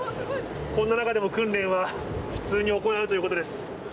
こんな中でも訓練は普通に行われるということです。